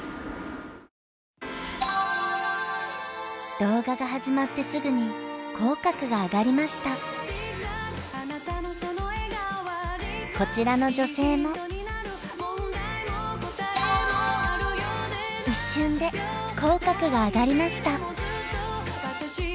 動画が始まってすぐにこちらの女性も一瞬で口角が上がりました。